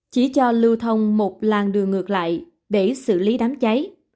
chỉ cho lưu thông một làng đường ngược lại để xử lý đám cháy